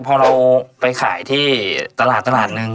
พอเราไปขายที่ตลาดหนึ่ง